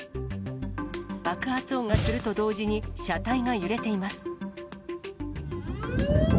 爆発音がすると同時に、車体が揺れています。